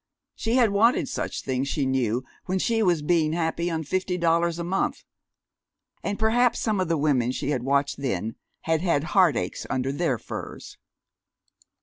She had wanted such things, she knew, when she was being happy on fifty dollars a month. And perhaps some of the women she had watched then had had heartaches under their furs....